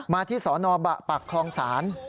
มาที่สนปคลองศาล